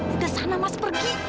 udah sana mas pergi